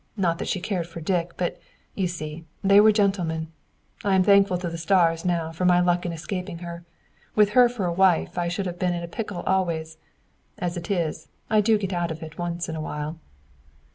Not that she cared for Dick; but, you see, they were gentlemen. I am thankful to the stars, now, for my luck in escaping her. With her for a wife, I should have been in a pickle always; as it is, I do get out of it once in a while."